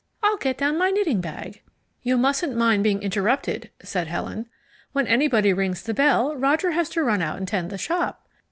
I'll get down my knitting bag." "You mustn't mind being interrupted," said Helen. "When anybody rings the bell Roger has to run out and tend the shop."